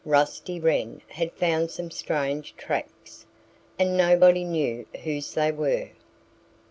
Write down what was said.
Rusty Wren had found some strange tracks. And nobody knew whose they were.